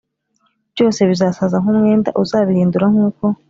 byose bizasaza nk umwenda Uzabihindura nk uko